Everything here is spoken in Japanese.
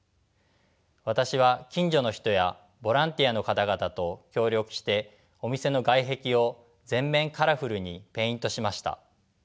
私は近所の人やボランティアの方々と協力してお店の外壁を全面カラフルにペイントしました。